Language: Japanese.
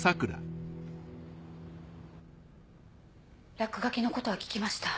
落書きのことは聞きました。